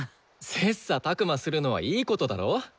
切さたく磨するのはいいことだろう？